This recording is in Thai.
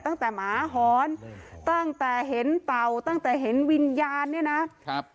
หมาหอนตั้งแต่เห็นเต่าตั้งแต่เห็นวิญญาณเนี่ยนะครับ